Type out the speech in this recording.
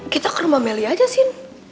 kita ke rumah meli aja sin